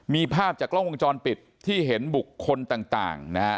มีภาพจากกล้องวงจรปิดที่เห็นบุคคลต่างนะฮะ